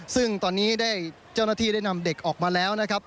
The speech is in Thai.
ซึ่งตอนนี้ได้เจ้าหน้าที่ได้นำเด็กออกมาแล้วนะครับ